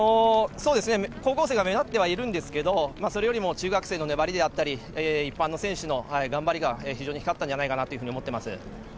高校生が目立ってはいるんですけどそれよりも中学生の粘りであったり一般の選手の頑張りが非常に光ったと思っています。